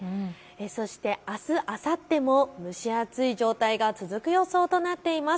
そしてあす、あさっても蒸し暑い状態が続く予想となっています。